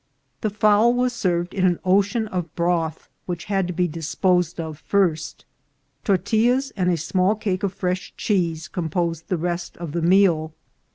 The fowl was served in an ocean of broth, which had to be disposed of first. Tortillas and a small cake of fresh cheese composed the rest of the meal.